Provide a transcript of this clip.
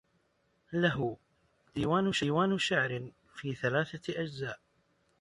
له ديوان شعر في ثلاثة أجزاء